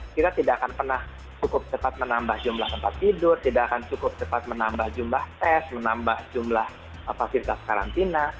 kita tidak akan pernah cukup cepat menambah jumlah tempat tidur tidak akan cukup cepat menambah jumlah tes menambah jumlah fasilitas karantina